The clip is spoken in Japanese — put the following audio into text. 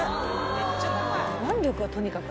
めっちゃ高い！